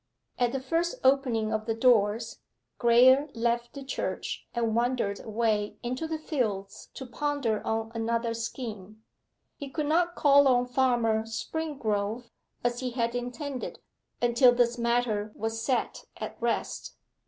At the first opening of the doors, Graye left the church and wandered away into the fields to ponder on another scheme. He could not call on Farmer Springrove, as he had intended, until this matter was set at rest.